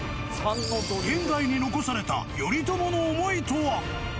現代に残された頼朝の思いとは。